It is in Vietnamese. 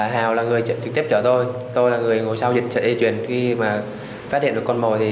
hào là người trực tiếp chở tôi tôi là người ngồi sau dịch sợi dây chuyền khi mà phát hiện được con mồi